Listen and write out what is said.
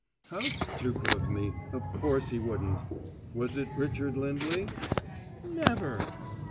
"How stupid of me! Of course, he wouldn't. Was it Richard Lindley?" "Never!"